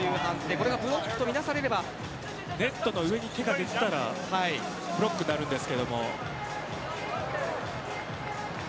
これがブロックとみなされればネットの上に手が出ていたらブロックになるんですけれど。